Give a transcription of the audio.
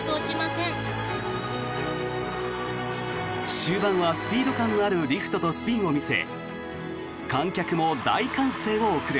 終盤はスピード感のあるリフトとスピンを見せ観客も大歓声を送る。